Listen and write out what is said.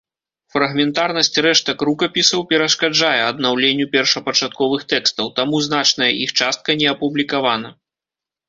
Фрагментарнасць рэштак рукапісаў перашкаджае аднаўленню першапачатковых тэкстаў, таму значная іх частка не апублікавана.